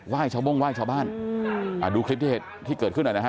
ไหว้ชาวบ้งไหว้ชาวบ้านดูคลิปที่เกิดขึ้นหน่อยนะฮะ